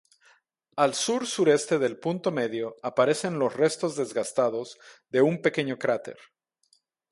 Al sur-sureste del punto medio aparecen los restos desgastados de un pequeño cráter.